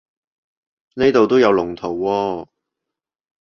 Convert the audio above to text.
呢度都有龍圖喎